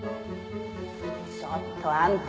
ちょっとあんた。